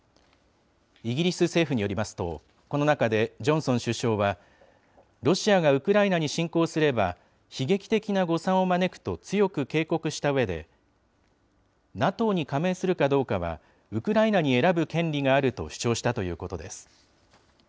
イギリス政府によりますと、この中でジョンソン首相は、ロシアがウクライナに侵攻すれば、悲劇的な誤算を招くと強く警告したうえで、ＮＡＴＯに加盟するかどうかはウクライナに選ぶ権利があると主張したということです。